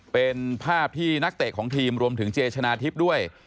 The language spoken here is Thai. เป็นภาพที่นักเตะของทีมรวมถึงเจชนะทิพย์ด้วย